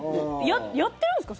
やってるんですか？